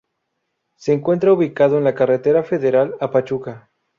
Se encuentra ubicado en la carretera federal a Pachuca.